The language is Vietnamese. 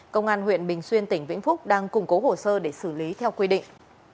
công an huyện bình xuyên tỉnh vĩnh phúc đang củng cố hồ sơ để xử lý theo quy định